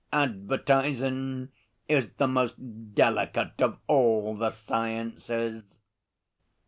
Advertisin' is the most delicate of all the sciences.'